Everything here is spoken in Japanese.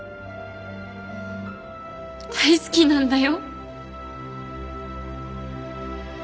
大好きなんだよ。